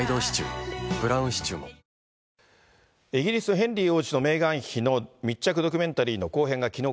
ヘンリー王子とメーガン妃の密着ドキュメンタリーの後編がきのう